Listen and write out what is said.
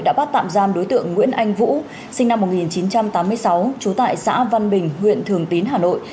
đã bắt tạm giam đối tượng nguyễn anh vũ sinh năm một nghìn chín trăm tám mươi sáu trú tại xã văn bình huyện thường tín hà nội